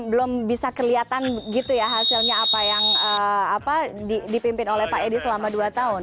belum bisa kelihatan gitu ya hasilnya apa yang dipimpin oleh pak edi selama dua tahun